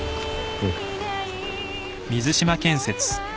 うん。